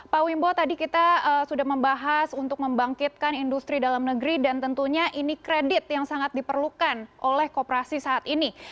pak wimbo tadi kita sudah membahas untuk membangkitkan industri dalam negeri dan tentunya ini kredit yang sangat diperlukan oleh kooperasi saat ini